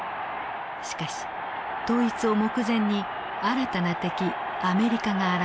しかし統一を目前に新たな敵アメリカが現れました。